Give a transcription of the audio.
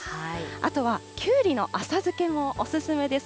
あとは、きゅうりの浅漬けもお勧めです。